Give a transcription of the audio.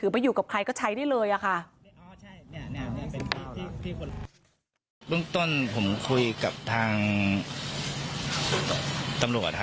พูดต้นผมคุยกับทางตำรวจ